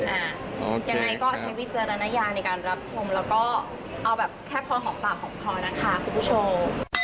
ยังไงก็ใช้วิจารณญาในการรับชมแล้วก็เอาแบบแค่พอหอมปากหอมคอนะคะคุณผู้ชม